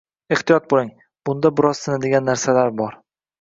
Ehtiyot bo’ling. Bunda biroz sinadigan narsalar bor.